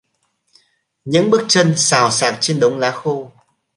Những bước chân xào xạc trên đống lá khô